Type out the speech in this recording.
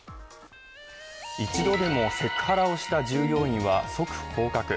一度でもセクハラをした従業員は即降格。